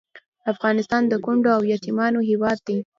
افغانستان د کونډو او یتیمانو هیواد دی